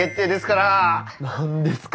何ですか？